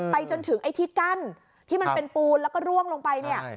จนถึงไอ้ที่กั้นที่มันเป็นปูนแล้วก็ร่วงลงไปเนี่ย